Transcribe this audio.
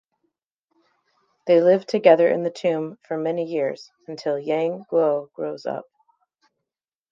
They live together in the tomb for many years until Yang Guo grows up.